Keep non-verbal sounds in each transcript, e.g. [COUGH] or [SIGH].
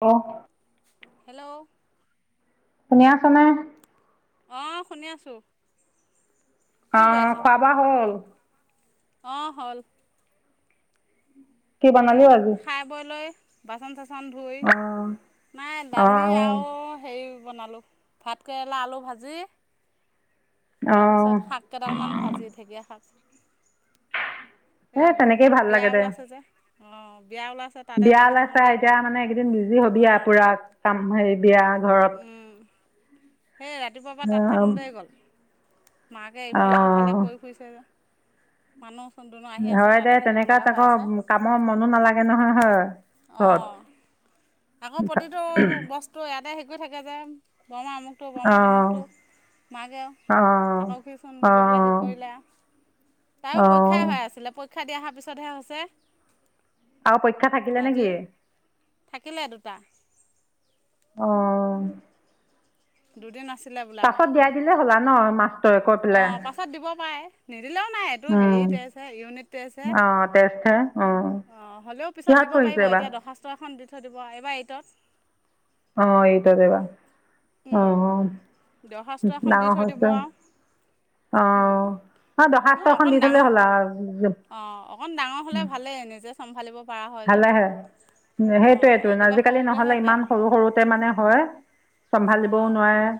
অ। Hello. শুনি আছানে। অঁ শুনি আছোঁ। অ কি কৰি আছ খোৱা বোৱা হ'ল। অঁ হ'ল। কি বনালি এই আজি? খাই বৈ লৈ। বাচন- চাচন ধুই অ' নাই দালি অ' অ' আৰু হাই বনালোঁ। ভাত কেৰেলা, আলু ভাজি অ তাৰপিছত শাক। কেইডালমান ভাজি ঢেকীয়া শাক। এ তেনেকেই ভাল বিয়া লাগে দে। ওলাইছে যে অ বিয়া ওলাইছে। তাতে বিয়া লাগি ওলাই চে থাকোঁতেই এতিয়া গ'ল আৰু মানে এইকেইদিন বিজি হবি আ অঁ পুৰা কাম হেৰি বিয়া ঘৰত। সেই ৰাতিপুৱাৰ পৰা তাত অ' থাকোঁতে গ'ল মাকে ইফালে সিফালে কৰি ফুৰিছে যে। মানুহ চোন দুনো আহি আছে হয় দে তাতে থাকিব লগা তেনেকাত হৈ আকৌ আছে। কামৰ মনো নালাগে নহয় হয়। ঘৰত অঁ আকৌ প্ৰতিটো বস্তু। তো ইয়াতে হেৰি কৰি থাকে যে বৰমা আমুক। তো বৰমা অ' তমকতটো মাকে আৰু অ' থাকহিচোন বুলি পেলে হাৰি অ' কৰিলে আ। তাইও অ' পৰীক্ষাই হৈ আছিলে পৰীক্ষা দি অহাৰ পিছতহে হৈছে। আৰু পৰীক্ষা থাকিলে আজি নেকি। থাকিলে দুটা। অ দুদিন আছিলে বোলে আও পাছত দিয়াই দিলে হ'লা ন মাছ অ পাছত দিব পাৰে নিদিলেও নাই এইটো হেৰি টেষ্ট ইউনিট টেষ্ট হে। অ টেষ্ট হে অ হ'লেও পিছত দিব পাৰিব এইবাৰ এতিয়া দৰ্খাস্ত এখন দি থৈ দিব এইবাৰ এইটত অ এইটদ এইবাৰ অ অ দৰ্খাস্ত এখন দি ডাঙৰ থৈ দিব হৈছে আৰু অ অ দৰ্খাস্ত এখন দি থলে হ'ল আৰু অ অকন ডাঙৰ হলে ভালেই নিজে চম্ভালিব পৰা হয়। যে ভালে হে উ অঁ সেইটোয়েতো একেবাৰে আজিকালি সৰুতেহে নহ'লে বেয়া ইমান সৰু সৰু তাতে মানে হয় চম্ভালিবও অঁ নোৱাৰে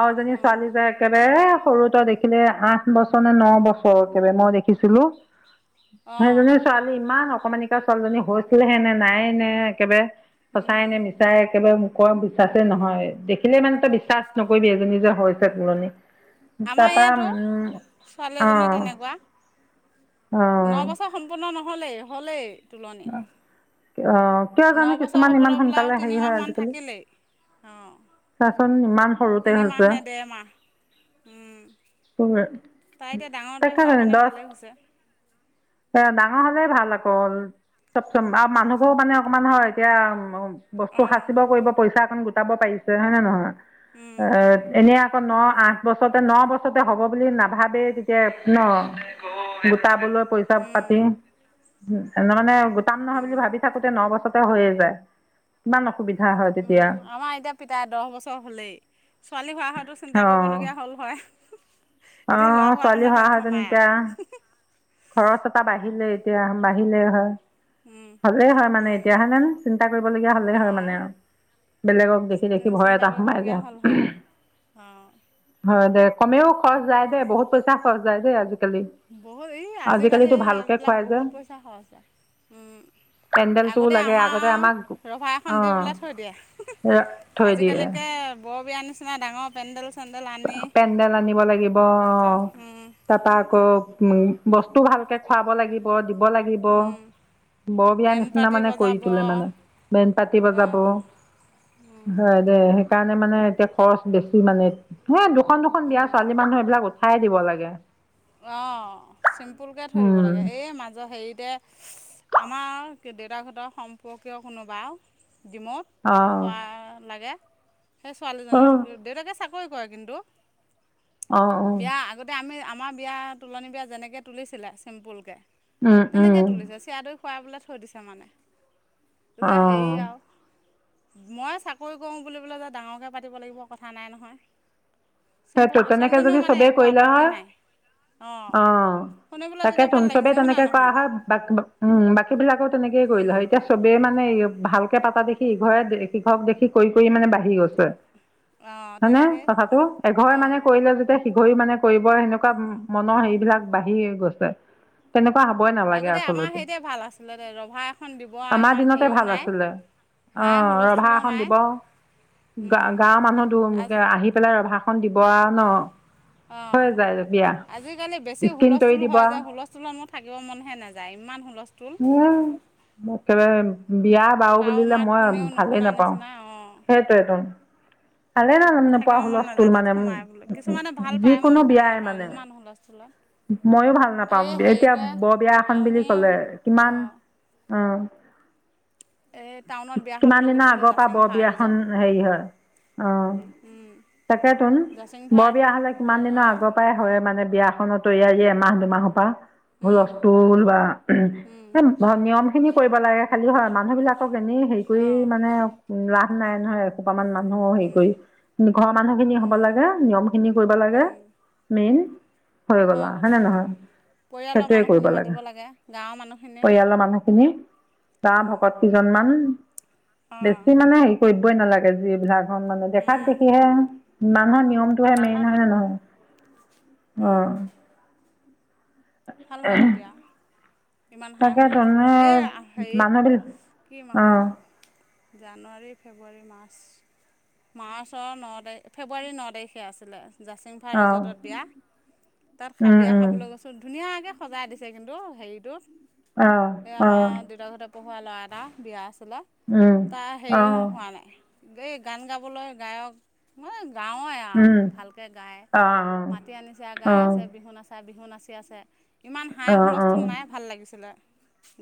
আৰু এজনী অঁ ছোৱালী যে একেবাৰে সৰুতে দেখিলে আঠ বছৰ নে ন বছৰ একবাৰে মই দেখিছিলো অঁ সেইজনীৰ ছোৱালী ইমান অকমানিকা ছোৱালীজনী হৈছিলহেনে নাই এ নে একেবাৰে উম সঁচায়নে মিছ চাই একেবাৰে মোখৰ বিশ্বাসছে নহয় দেখিলে মানে তই বিশ্বাস নকৰিবি এজনী যে হৈছে তুলনি [INAUDIBLE] আমাৰ ইয়াতো ছোৱালীএজনী অঁ তেনেকুৱা অঁ ন বছৰ সম্পূৰ্ণ নহ'লেই হ'লেই তুলনি অঁ কিয় জানো নবছৰ কিছুমান ইমান হ'বলৈ বোলে সোনকালে আৰু হেৰি হয় তিনিমাহমান আজিকালি থাকিলেই অঁ চাচোন ইমান সৰুতে তিনিমাহ হৈছে নে দেৰ মাহ উম পুঙে তাই এতিয়া ডাঙৰতো হোৱাৰ কাৰণে ভালেই হৈছে। এ ডাঙৰ হলে ভাল অকল চব চম্ভা আৰু মানুহবোৰো মানে অকমান হয় এতিয়া উ বস্তু অঁ সাঁচিব কৰিব পইচা এখন গোটাব পাৰিছে হয়ে নে নহয় উম এ এনে অ ন আঠ বছৰতে ন বছৰতে হব বুলি নাভাবেই তেতিয়া ন গোটাবলৈ পইচা উম পাতি মানে গোটাম নহয় বুলি উম ভাবি থাকোতে ন বছৰত হৈয়ে যায় কিমান অসুবিধা হয় তেতিয়া উম আমাৰ এতিয়া পিতাই দহ বছৰ হ'লেই ছোৱালী হৈ অহা হ'লে চিন্তা অঁ কৰিবলগীয়া হ'ল হয় এতিয়া ল'ৰা অঁ হোৱাৰ ছোৱালী কাৰণে হোৱা হেঁতেন টেনশচন নাই এতিয়া আৰু খৰচ এটা বাঢ়িলে এতিয়া বাঢ়িলে হয় উম, হলেই হয় মানে উম, এতিয়া চিন্তা কৰিবলগীয়া হলেই হয় অ', মানে আৰু বেলেগক দেখি দেখি ভয় চিন্তা এটা সোমাই কৰিবলগীয়া যায় হ'ল হয়। অ হয় দে কমেও খৰচ যায় দে বহুত পইচা খৰচ যায় দে আজিকালি বহুত এই আজিকালি আজিকালিতো ভালকৈ এইবিলাক খুৱাই বহুত যে পইচা খৰচ হয় পেণ্ডেলটোও আগতে লাগে আমাৰ আগতে আমাক ৰভা এখন দি অঁ পেলাই থৈ দিয়ে থৈ দিয়ে আজিকালিকে বৰ বিয়াৰ নিচিনা ডাঙৰ পেণ্ডেল চেণ্ডেল আনি পেণ্ডেল আনিব লাগিব অ তাতে উম, তাৰপা আকৌ উ বস্তু ভালকে খুৱাব লাগিব দিব লাগিব উম, বৰ বিয়াাৰ বেণ্ড নিচিনা পাৰ্টি মানে বজাব কৰি তোলে মানে বেন পাতি বজাব উম হয় দে সেইকাৰণে মানে এতিয়া খৰচ বেছি মানে পোৱা দুখন দুখন বিয়া ছোৱালী মানুহ এইবিলাক খাই দিব লাগে অ', চিম্পুলকে থৈ দিব উম লাগে, এ মাজৰ হেৰিতে আমাৰ দেউতাক হঁতৰ সম্পৰ্কীয় কোনোবা ডিমৌত অঁ খোৱা লাগে সেই ছোৱালীজনী অঁ [UNINTELLIGIBLE] দেউতাকে চাকৰি কৰে কিন্তু অঁ অঁ বিয়া আগতে আমি আমাৰ বিয়া তুলনি বিয়া যেনেকে তুলিছিলে চিম্পুলকে উম উম তেনেকে তুলিছে চিৰা দৈ খুৱাই পেলাই থৈ দিছে মানে, পিছে হেৰি অঁ আৰু মই চাকৰি কৰোঁ বুলিবোলে যে ডাঙৰকে পাতিব লাগিব কথা নাই নহয়। সেইটো চিম্পুলকে তেনেকে যদি ছোৱালীজনীও মানে একো আপত্তি নাই। অঁ অ', শুনি পেলাই তাকে তেতিয়া তোন ভাল লাগিছে চবেই হয় না তেনেকে কৰা নহয় হয় বাক বা উম, বাকী বিলাকো তেনেকেই কৰিলে হয় এতিয়া চবে মানে ভালকে পাতা দেখি ইঘৰে সিঘৰক দেখি কৰি কৰি মানে বাঢ়ি গৈছে অঁ হয়নে তেনেকৈ কথাটো? এঘৰে মানে অঁ কৰিলে যেতিয়া সিঘৰে মানে কৰিব সেনেকুৱা মনৰ হেৰিবিলাক বাঢ়ি গৈছে। তেনেকুৱা হ'বই নালাগে আগতে আমাৰ আচলতে, সেইতে ভাল আছিলে দে ৰভা এখন দিব আৰু আমাৰ ইমান দিনতে হেৰিও ভাল নাই আছিলে। হাই অ', ৰভা হুলস্থুলো এখন নাই দিব গা গাঁৱৰ মানুহ দু আজ আহি পেলাই ৰভা খন ৰভাখন দিব আৰু ন? অ', যায় বিয়া আজিকালি বেছি স্কিন তৰি হুলস্থুল দিব হয় যে আৰু। হুলস্থুলত মোৰ থাকিব মনহে নাযায় ইমান হুলচ উম, মোক [UNINTELLIGIBLE] বিয়া বাৰু কাৰো বুলিলে মাত মই কোনেও ভালেই নুশুনা নাপাওঁ নিচিনা অঁ সেইটোৱতো ভালে নালা নোপাও থাকিব মন হুলস্থুল নাযায় তাত মানে সোমাই বোলে কিছুমানে ভাল পায় মই যিকোনো ভাল বিয়াই নাপাওঁ মানে ইমান হুলস্থুলত ময়ো ভাল নাপাও, এই এতিয়া হেৰিতে বৰ বিয়া এখন বুলি আমি ক'লে ইমান অঁ অ', এই টাউনত বিয়া কিমান খাবলৈ দিনৰ গৈছিলোঁ আগৰ পৰা জাচিং বৰ ফাৰ বিয়াখন ৰিজৰ্ট হেৰি হয় অ', তাকেতোন জাচিং বৰ ভাৰ বিয়া হ'লে কিমান অঁ দিনৰ অঁ আগৰ পৰাই হয় মানে বিয়াখনৰ তৈয়াৰী এমাহ দুমাহৰ পৰা হুলস্থুল বা নিয়ম খিনি কৰিব লাগে খালি হয় মানুহ বিলাকক এনেই হেৰি কৰি মানে লাভ নাই নহয়। কেইতামান মানুহ হেৰি কৰি, ঘৰৰ মানুহ খিনি হ'ব লাগে নিয়ম খিনি কৰিব লাগে মেইন হৈ গল আৰু হয়নে নহয়? পৰিয়ালৰ সেইটোৱে কৰিব মানুহখিনি লাগে মাতিব লা গাঁৱৰ মানুহ পৰিয়ালৰ মানুহখিনি বা ভকত কেইজনমান অঁ বেছি মানে কৰিবই নালাগে যিবিলাকৰ মানে দেখাত দেখিহে মানুহৰ নিয়ম তোহে মেইন হয় নে নহয়? অ', ভাল হয় তেতিয়া। ইমান হাই তাকে তেনে হুলস্থুলত এই মানুহবিলাক হেৰিত কি অঁ মাহত জানুৱাৰী, ফেব্ৰুৱাৰী, মাৰ্চ মাৰ্চৰ ন' তাৰিখ, ফেব্ৰুৱাৰীৰ ন' তাৰিখে আছিলে জাচিং অঁ ৰিজৰ্টত বিয়া তাত, অঁ বিয়া খাবলৈ গৈছো ধুনীয়াকে সজাই দিছে কিন্তু হেৰি টো, অঁ অঁ সেই অঁ আমাৰ দেউতাৰ ঘৰতে পঢ়োৱা ল'ৰা এটা বিয়া আছিলে। তাৰ হেৰি অঁ হোৱা নাই, এই গান গাবলৈ গায়ক মানে গাঁৱৰ এ আৰু ভালকে গাই মাতি আনিছে গাই আছে বিহু নাচা বিহু নাচি আছে ইমান হাঁই অঁ হুলস্থুল নাই ভাল লাগিছিলে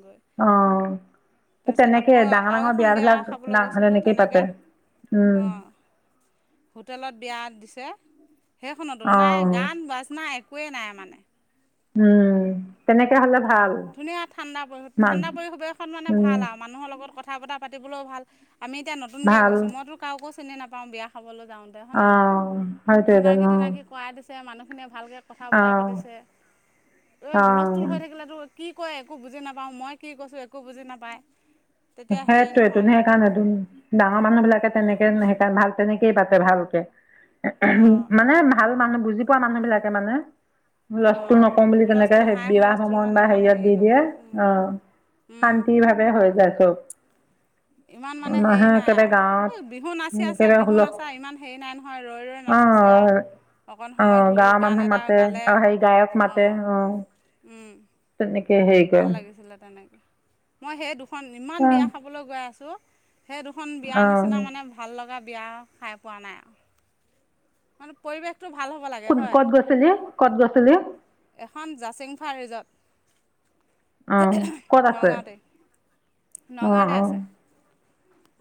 গৈ। অ', তাৰপিছত আকৌ তেনেকেই ডাঙৰ - আৰু ডাঙৰ এখন বিয়া বিয়াবিলাক খাবলৈ গৈছিলোঁ তেনেকেই তেনেকৈ পাতে। উম। অঁ হোটেলত বিয়াত দিছে, সেইখনতো নাই অঁ গান -বাজনা একোৱেই নাই মানে। উম, তেনেকে হ'লে ভাল। ধুনীয়া ঠাণ্ডা পৰিৱেশ, মান ঠাণ্ডা পৰিৱেশত মানে উম ভাল আও মানুহৰ লগত কথা-বতা পাতিবলও ভাল আমি এতিয়া নতুনকে ভাল গৈছো, মইতো কাকো চিনি নাপাওঁ বিয়া খাবলৈ যাওঁতে। তে হয়নে নহয়? অ', সেইটোৱেইটোন চিনাকি অ', তিনাকি কৰাই দিছে, মানুহখিনিয়ে ভালকে কথা বতৰা অ', পাতিছে। এই হুলস্থুল অ', হৈ থাকিলেতো কি কয় একো বুজি নাপাওঁ, মই কি কৈছোঁ একো বুজি নাপায়। তেতিয়া হেৰি সেইটোৱে টো নহয় সেইকাৰণ টো ডাঙৰ মানুহ বিলাকে তেনেকে ন সেইকাৰণে ভাল তেনেকেই পাতে ভালকে অঁ। [UNINTELLIGIBLE] মানে ভাল মানুহ, বুজি পোৱা মানুহ বিলাকে মানে। হোলস্তোল অঁ নকওঁ বুলি তেনেকে হুলস্থুল হাই বিবাহ হুলস্থুল ভৱন মানে বা ইমান হেৰিয়ত হেৰি দি দিয়ে নহয়। অঁ,। শান্তি ভাবে হৈ যায় চ'ব। ইমান মানে হেৰি মানুহে নাই একেবাৰে আও, গাঁৱত বিহুঁ উম, নাচি আছে একেবাৰে বিহুঁ হুলস্থ নাচা ইমান হেৰি নাই নহ হয় ৰৈ ৰৈ নাচিছে আও অ', অকণ সময় অ', ধোল গাঁৱৰ গান মানুহ এটা মাতে গালে। আৰু হেৰি গায়ক মাতে অঁ অ'। উম। তেনেকে সেই ভাল লাগিছিলে তেনেক মই সেই দুখন, ইমান বিয়া অ', খাবলৈ গৈ আছোঁ সেই দুখন বিয়াৰ নিচিনা অ'। মানে ভাল লগা বিয়া আও, খাই পোৱা নাই আও। মানে পৰিৱেশটো ভাল হ'ব লাগ কোন ক'ত গৈছিলি? ক'ত গৈছিলি? এখন জাচিংফাৰ ৰিজত। অঁ ক'ত [UNINTELLIGIBLE] আছে নগাঁৱতেই, অঁ নগাঁৱতে অঁ আছে।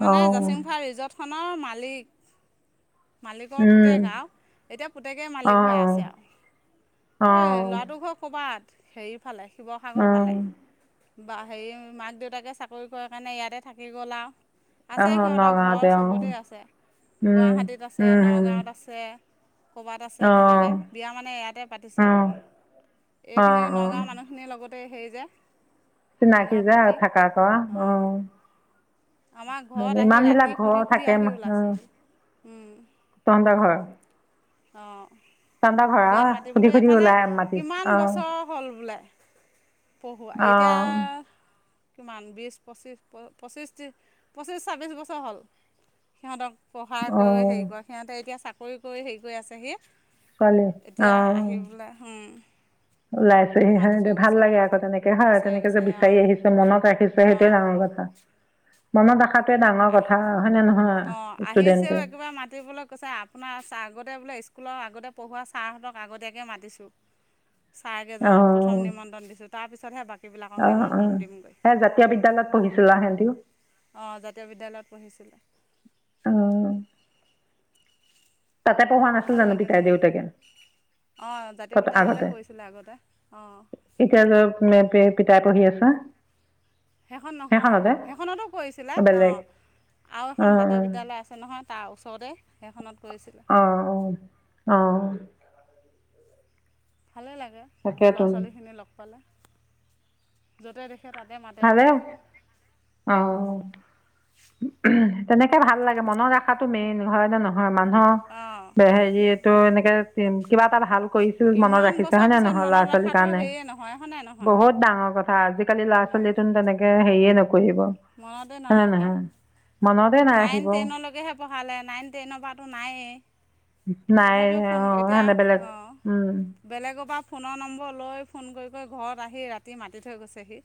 মানে অঁ জাচিংফা ৰিজৰ্টখনৰ মালিক। মালিকৰ উম পুতেক আও এতিয়া পুতেকেই মালিক অঁ হৈ আছে আও। অঁ সেই ল'ৰাটো ঘৰ ক'ৰবাত হেৰি ফালে অঁ শিৱসাগৰ অঁ ফালে। বা হেৰি মাক দেউতাকে চাকৰি কৰে কাৰণে ইয়াতে থাকি গ'ল আও। আছে অঁ সিহঁতৰ ঘৰ নগাঁৱতে অঁ চবতে আছে। গুৱাহাটীত আছে, নগাঁৱত আছে। ক'ৰবাত আছে অঁ তেনেকে বিয়া মানে ইয়াতে পাতিছে আও অঁ অঁ এইখিনি অঁ নগাঁৱৰ মানুহ খিনিৰ লগতেই সেই যে মিলা চিনাকি যে প্ৰীতি আৰু থাকা কৰা অঁ,। আমাৰ ঘৰত উম, আহি ইমান ৰাতি বিলাক ঘৰ সুধি সুধি থাকে আহি মানুহ, ওলাইছেহি তহঁতৰ ঘৰ অঁ। তহঁতৰ ঘৰ বিয়াত আৰু সুধি মাতিবলৈ সুধি এইফালে ওলাই মাতি কিমান অঁ বছৰ হ'ল বোলে? পঢ়োৱা, এতিয়া অঁ কিমান বিছ, পঁচিছ, পঁচিছি, পঁচিছ, ছাব্বিছ বছৰ হ'ল। সিহঁতক পঢ়ায় কৰি অঁ হেৰি কৰে, সিহঁতে এতিয়া চাকৰি কৰি হেৰি কৰি আছেহি। ছোৱালী এতিয়া আহিবলে হুম ওলাইছ -এ হে দে ভাল লাগে আক' তেনেকে হয় বিচাৰি তেনেকে যে বিচাৰি অঁ আহিছে, মনত ৰাখিছে সেইটোয়ে অঁ ডাঙৰ কথা। মনত ৰাখাটোৱে ডাঙৰ আহ কথা হয়নে নহয়, ষ্টুডেণ্টে। পৰা মাতিবলৈ কৈছা আপ আপোনাৰ ছা আগতে বোলে স্কুলৰ আগতে পঢ়োৱা ছাৰহঁতক আগতীয়াকে মাতিছোঁ। ছাৰকেইজনক অঁ প্ৰথম নিমন্ত্ৰণ দিছোঁ। তাৰপিছতহে বাকীবিলাকক নিমন্ত্ৰণ দিমগৈ। এ জাতীয় বিদ্যালয়ত শুনিছিলা সেইটো। অঁ জাতীয় বিদ্যালয়ত পঢ়িছিলে! অ' তাতে পঢ়োৱা নাছিল ভাল জানো লাগে পিতাই, তেনেকৈ দেউতাকে, অঁ জাতীয় পত বিদ্যালয়তে, আগতে কৰিছিলে। আগতে অঁ এতিয়া য'ত মে পি পিতাই পঢ়ি আছে! সেইখন নহয় সেইখনতে সেইখনতো কৰিছিলে! অঁ বেলেগ আৰু এখন অঁ জাতীয় অঁ বিদ্যালয় আছে নহয়! তাৰ ওচৰতে সেইখনত কৰিছিলে। অ', অ' ভালেই লাগে, ল'ৰা তাকেতো ছোৱালীখিনি লগ পালে! য'তে দেখি। এছে ততে মতে দে ভালে যে। অঁ তেনেকে ভাল লাগে মনত ৰখাতটো মেইন হয় নে নহয় অঁ মানুহৰ হেৰি এইটো এনেকেম কিবা এটা ভাল কৰিছিল মনত ইমান ৰাখিছে বছৰ হয়ে নে পিছত নহয় ল'ৰা মনত ছোৱালী সেই ৰখাটো কাৰণে হেৰিয়ে নহয় হয়নে নহয় বহুত ডাঙৰ কথা আজিকালি ল'ৰা ছোৱালী তোন তেনেকে হেৰিয়ে নকৰিব! মনতে হয় নে নাৰখে, নহয় মনতে নাইন নাৰাখিব টেনলৈকেহে পঢ়ালে! নাইন টেইনৰ পৰাটো নায়েই। নাই তথাপিও ফোন এতিয়া অঁ বেলেগ অ' উম বেলেগৰ পৰা ফোনৰ নম্বৰ লৈ ফোন কৰি, কৰি ঘৰত আহি ৰাতি মাতি থৈ গৈছেহি!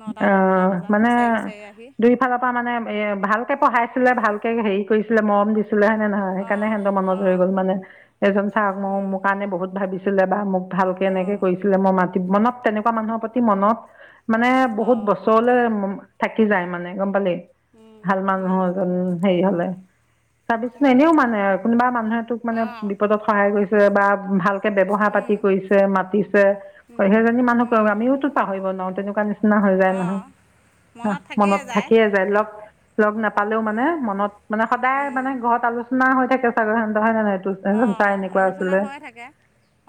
নটা দহটা বজাত, বিচাৰি, বিচাৰি আহি। দুই ফালৰ পৰা মানে এ ভালকে পঢ়াইছিলে, ভালকে হেৰি কৰিছিলে মৰম দি ছিলেনে, নহয় সেইকাৰণে অঁ সিহঁত মনত হৈ অঁ গ'ল মানে এজন চাহওক মই মোৰ কাৰণে বহুত ভাবি ছিলে, বা মোক ভালকে এনেকে অঁ কৰিছিলে মই মাতি মনত তেনেকুৱা মানুহৰ প্ৰতি মনত মানে। বহুত অঁ বছৰলৈ থাকি যায় মানে গম পালি। ভাল মানুহৰ এজন হেৰি হ'লে। চাবিছ ন এনেও মানে কোনোবা মানুহে তোক মানে অঁ বিপদত সহায় কৰিছে বা ভাল। ব্যৱহাৰ পাতি কৰিছে মাতিছে সেইজনী মানুহ ক আমিওতো পাহৰি নোৱাৰো তেনেকুৱা নিচিনা। হয় যায় অঁ নহয়- আহ মনত থাকিয়ে যায়! লগ, লগ নাপালেও মানে মনত মানে সদায় মানে। ঘবত আলোচনা হৈ থাকে চাগৰ স হয় নে নহয় এইটো। এজন অঁ, ছাৰ অঁ এনেকুৱা আলোচনা আছিলে হৈয়ে থাকে,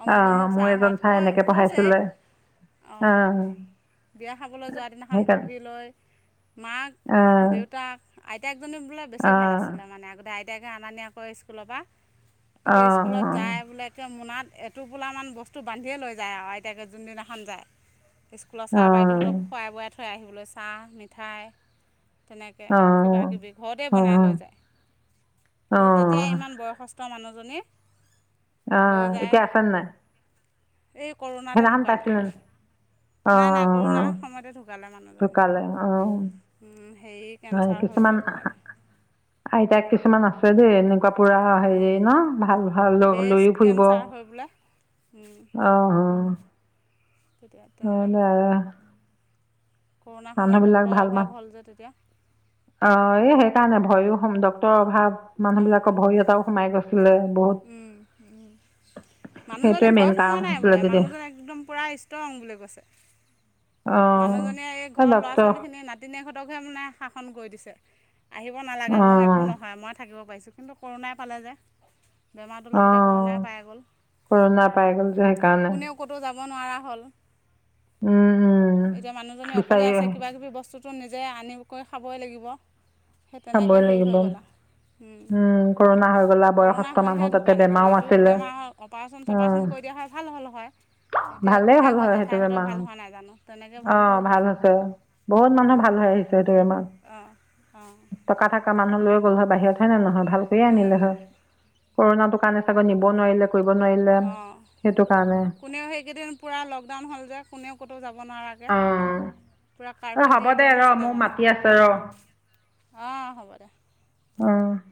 অমুক, অঁ অমুক মোৰ এজন ছাৰহঁত ছাৰে কৈ এনেকৈ কৈছেই। পঢ়াইছিলে অঁ বিয়া খাবলৈ যোৱা দিনাখন সেইকাৰণে বহি লৈ মাক অঁ -দেউতাক- আইতায়েকজনী, বোলে বেছি ভাল অঁ আছিলে, মানে আগতে আইতায়েকে আনা নিয়া কৰে স্কুলৰ পৰা। তাকে অঁ স্কুলত যায় বোলে। এতিয়া মোনাত এটোপোলামান বস্তু বান্ধিয়ে লৈ যায় আৰু আইতাকে যোনদিনাখন যায়! স্কুলৰ অঁ ছাৰ, বাইদেউহঁতক, খোৱাই বোৱাই থৈ আহিবলৈ চাহ, মিঠাই- তেনেকে অঁ কিবা কিবি ঘৰতেই অঁ বনাই অঁ লৈ যায়! তেতিয়া অঁ ইমান বয়সস্থ মানুহজনী। লৈ অ', যায় এতিয়া আছেনে নাই। এই কৰোণাতে সেইদিনাখন ঢুকালে! পাইছিলোঁ নাই, অঁ নাই কৰোণাৰ অঁ সময়তে ঢুকালে মানুহজনী ঢুকালে অঁ উম হেৰি হয় কেঞ্চাৰ, হৈ বোলে কিছুমান ঢুকালে! আইতাক, কিছুমান আছে দেই এনেকুৱা পুৰা হেৰি ন ভাল ভাল লগ ব্ৰেষ্ট লৈ ফুৰিব। অ কেঞ্চাৰ হৈ বোলে অঁ। তেতিয়া কেনেকৈ ঢুকালে? কৰোণাৰ সময়ত মানুহবিলাক ডকক্তৰৰ ভাল মান অভাৱ হ'ল যে তেতিয়া। অ এই সেইকাৰণে ভয়ো সমদত্বৰ অভাৱ মানুহ বিলাকৰ ভয় এটাও সোমাই গৈছিলে। বহুত উম, সেইটোৱে মানুহজনীৰ মেইন ভয় কাৰণ সোমোৱা নাই হৈছিলে বোলে তেতিয়া মানুহজন একদম পূৰা ইষ্টৰং বুলি কৈছে। মানুহজনীয়ে এই অ ঘৰ ল'ৰা ডক্তৰ ছোৱালীখিনি নাতিনীহঁতকহে মানে শাসন কৰি দিছে। আহিব অ নালাগে মোৰ একো নহয় মই থাকিব পাৰিছো কিন্তু কৰোণাই পালে যে। বেমাৰটোৰ অ লগতে কৰোণাই পাই গ'ল, কৰোণা পাই গ'ল যে সেইকাৰণে কোনেও ক'তোও যাব নোৱাৰা হ'ল। উম হুম। এতিয়া মানুহজনী অকলে আছে কিবা কিবি বস্তুটো নিজে আনি কৰি খাবই লাগিব। সেই তেনেকৈ খাবই হেৰি লাগিব হৈ গ'ল আও উম, কৰোণা হৈ গ'লা কৰোণা বয়সস্থ হৈহে মানুহ তাতে ঢুকালে, কিন্তু বেমাৰো ইটো আছিলে বেমাৰৰ অপাৰেচন অপাৰেচন অ কৰি দিয়া হয় ভাল হ'ল হয় এতিয়া গোঁসাই ঘৰত জেঠাই হঁতৰ ভাল হোৱা নাই জানো। তেনেকৈ অঁ হ'ল ভাল হয় হৈছে, বহুত মানুহ ভাল হৈ আহিছে সেইটো বেমাৰ। অঁ অঁ টকা থকা মানুহ লৈ গ'ল হয় বাহিৰত হয় নে নহয় ভাল কৰিয়ে আনিলে হয়। কৰোনাটো কাৰণে চাগৈ নিব নোৱাৰিলে কৰিব নোৱাৰিলে অঁ সেইটো কাৰণে। কোনেও সেইকেইদিন পূৰা লকডাউন হ'ল যে কোনেও ক'তো যাব নোৱাৰা কে, অ' পুৰা কাৰফিউ হ'ব দি দে দিয়া ৰ' নাছিলে মোৰ জানো। মাতি আছে ৰ' অঁ হ'ব দে। উম।